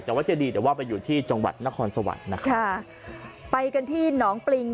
แต่ว่าเจดีแต่ว่าไปอยู่ที่จังหวัดนครสวรรค์นะคะไปกันที่หนองปริง